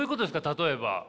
例えば。